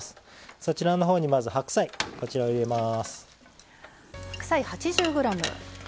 そちらのほうにまず白菜こちらを入れます。